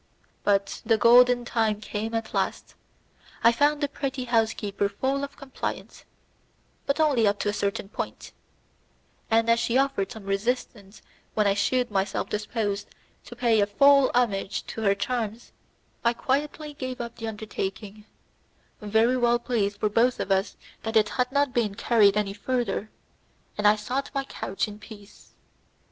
But the golden time came at last. I found the pretty housekeeper full of compliance, but only up to a certain point, and as she offered some resistance when I shewed myself disposed to pay a full homage to her charms, I quietly gave up the undertaking, very well pleased for both of us that it had not been carried any further, and I sought my couch in peace.